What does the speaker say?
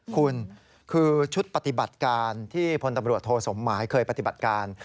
คุณคือชุดปฏิบัติการที่พลตำรวจโทสมหมายเคยปฏิบัติการ